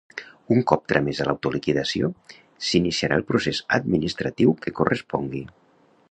Un cop tramesa l'autoliquidació, s'iniciarà el procés administratiu que correspongui.